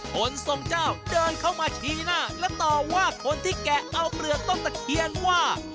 คนทรงเจ้าเดินเข้ามาชี้หน้าและต่อว่าคนที่แกะเอาเปลือกต้นตะเคียนว่า